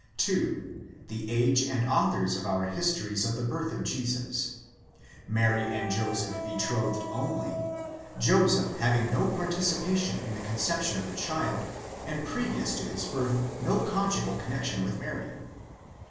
2. The age and authors of our histories of the birth of Jesus: Mary and Joseph betrothed only ; Joseph having no participation in the conception of the child, and previous to his birth no conjugal connexion with Mary.